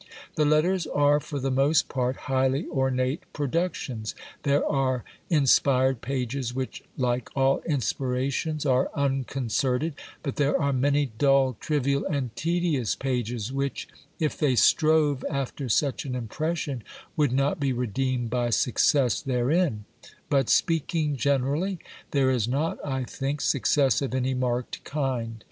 The letters are for the most part highly ornate productions. There are inspired pages which, like all inspirations, are unconcerted, but there are many dull, trivial and tedious pages which, if they strove after such an impression, would not be redeemed by success therein ; but, speaking generally, there is not, I think, success of any marked kind.